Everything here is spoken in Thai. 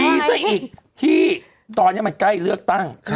มีซะอีกที่ตอนนี้มันใกล้เลือกตั้ง